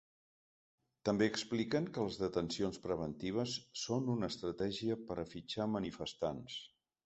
També expliquen que les detencions preventives són una estratègia per a fitxar manifestants.